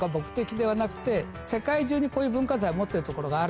世界中にこういう文化財を持ってるところがあるんです。